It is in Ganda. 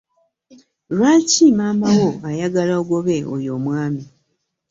Lwaki maama wo ayagala ogobe oyo omwami?